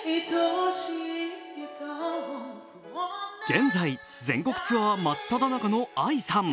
現在、全国ツアー真っただ中のＡＩさん。